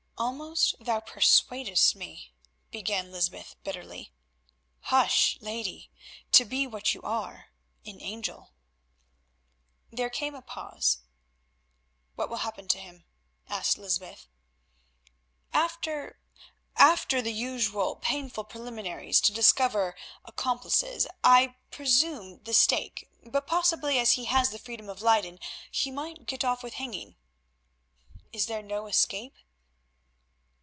"Almost thou persuadest me——" began Lysbeth bitterly. "Hush! lady—to be, what you are, an angel." There came a pause. "What will happen to him?" asked Lysbeth. "After—after the usual painful preliminaries to discover accomplices, I presume the stake, but possibly, as he has the freedom of Leyden, he might get off with hanging." "Is there no escape?"